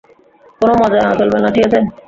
কোনো মজা নেওয়া চলবে না, ঠিক আছে?